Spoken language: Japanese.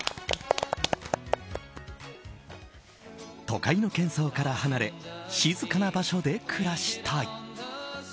都会の喧騒から離れ静かな場所で暮らしたい。